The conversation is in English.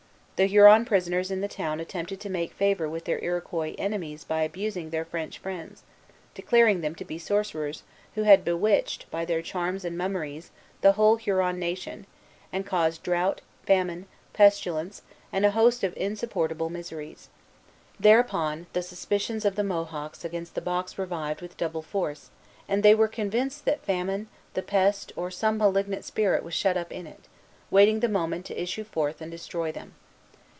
The Huron prisoners in the town attempted to make favor with their Iroquois enemies by abusing their French friends, declaring them to be sorcerers, who had bewitched, by their charms and mummeries, the whole Huron nation, and caused drought, famine, pestilence, and a host of insupportable miseries. Thereupon, the suspicions of the Mohawks against the box revived with double force, and they were convinced that famine, the pest, or some malignant spirit was shut up in it, waiting the moment to issue forth and destroy them.